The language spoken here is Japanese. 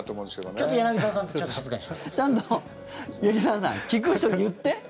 ちゃんと劇団さん聞く人言って。